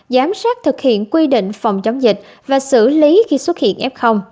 giám sát thực hiện quy định phòng chống dịch và xử lý khi xuất hiện f